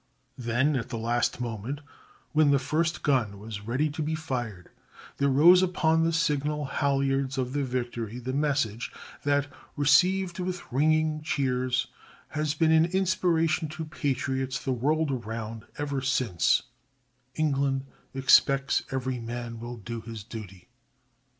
Then at the last moment, when the first gun was ready to be fired, there rose upon the signal halyards of the Victory the message that, received with ringing cheers, has been an inspiration to patriots the world around ever since since— ENGLAND EXPECTS EVERY MAN WILL DO HIS DUTY.